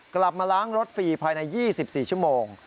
กลับมาล้างรถฟรีภายใน๒๔ชั่วโมง